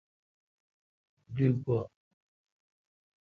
دی گوا۔